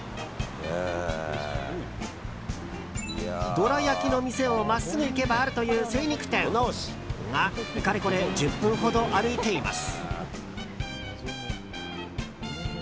どら焼きの店を真っすぐ行けばあるという精肉店。が、かれこれ１０分ほど歩いています。